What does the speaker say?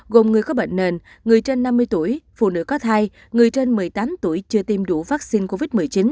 gồm người có bệnh nền người trên năm mươi tuổi phụ nữ có thai người trên một mươi tám tuổi chưa tiêm đủ vaccine covid một mươi chín